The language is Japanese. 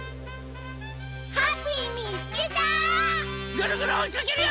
ハッピーみつけた！